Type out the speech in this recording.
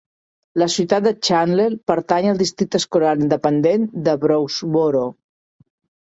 La ciutat de Chandler pertany al districte escolar independent de Brownsboro.